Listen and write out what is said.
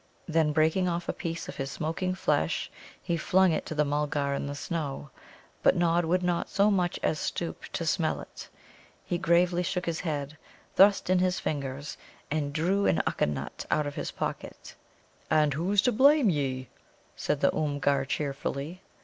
Then, breaking off a piece of his smoking flesh, he flung it to the Mulgar in the snow. But Nod would not so much as stoop to smell it. He gravely shook his head, thrust in his fingers, and drew an Ukka nut out of his pocket. "And who's to blame ye?" said the Oomgar cheerfully.